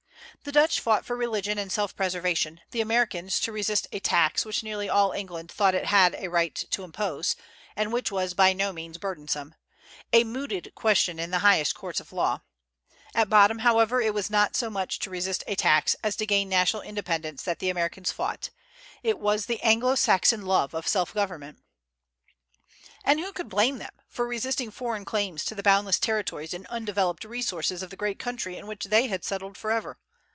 The Dutch fought for religion and self preservation; the Americans, to resist a tax which nearly all England thought it had a right to impose, and which was by no means burdensome, a mooted question in the highest courts of law; at bottom, however, it was not so much to resist a tax as to gain national independence that the Americans fought. It was the Anglo Saxon love of self government. And who could blame them for resisting foreign claims to the boundless territories and undeveloped resources of the great country in which they had settled forever?